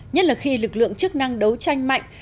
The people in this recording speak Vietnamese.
nhất là khi lực lượng chức năng đấu tranh mạnh